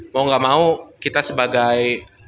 mau gak mau kita sebagai